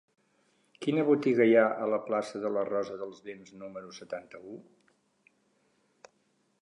Quina botiga hi ha a la plaça de la Rosa dels Vents número setanta-u?